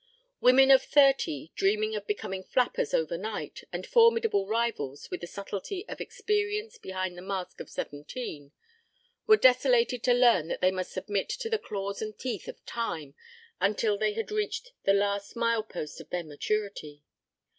Women of thirty, dreaming of becoming flappers overnight, and formidable rivals, with the subtlety of experience behind the mask of seventeen, were desolated to learn that they must submit to the claws and teeth of Time until they had reached the last mile post of their maturity.